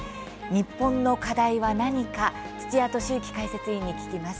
日本の課題は何か土屋敏之解説委員に聞きます。